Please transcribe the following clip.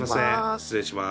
失礼します。